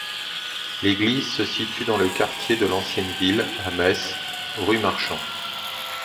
L’église se situe dans le quartier de l’Ancienne Ville à Metz rue Marchant.